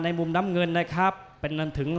แล้วกลับมาติดตามกันต่อนะครับ